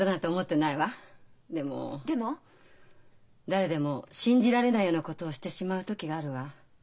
誰でも信じられないようなことをしてしまう時があるわ。